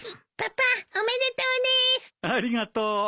ありがとう。